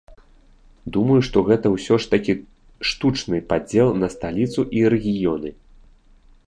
Думаю, што гэта ўсё ж такі штучны падзел на сталіцу і рэгіёны.